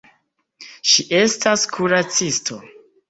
Ŝi estas kuracisto.